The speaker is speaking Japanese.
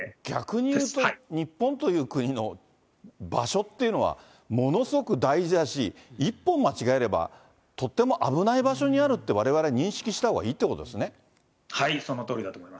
逆にいうと日本という国の場所っていうのは、ものすごく大事だし、一歩間違えればとても危ない場所にあるって、われわれ認識したほうがいいってことですね。